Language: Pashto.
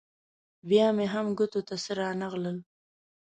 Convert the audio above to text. بیا مې هم ګوتو ته څه رانه غلل.